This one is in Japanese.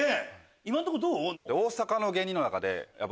今んとこどう？